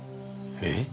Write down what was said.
えっ？